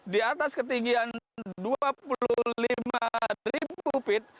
di atas ketinggian dua puluh lima ribu feet